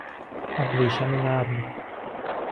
ابریشم نرم